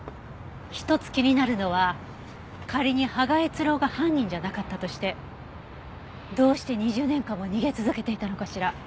一つ気になるのは仮に芳賀悦郎が犯人じゃなかったとしてどうして２０年間も逃げ続けていたのかしら。